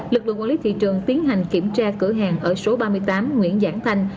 lực lượng quản lý thị trường tiến hành kiểm tra cửa hàng ở số ba mươi tám nguyễn giảng thanh